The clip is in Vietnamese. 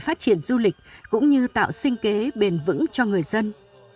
phát triển du lịch cũng như tạo sinh kế bền vững cho người dân